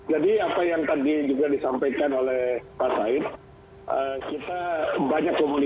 jadi apa yang tadi juga disampaikan oleh pak said